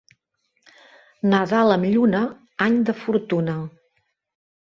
Nadal amb lluna, any de fortuna.